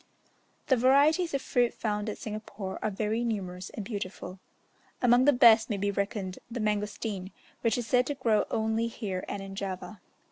The varieties of fruit found at Singapore are very numerous and beautiful. Among the best may be reckoned the mangostan, which is said to grow only here and in Java.